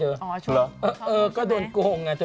อ๋อชอบชอบผู้จัดไหมครับเธอเออก็โดนโกหงไงเธอ